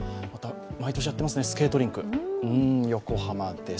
毎年やってますね、スケートリンク横浜です。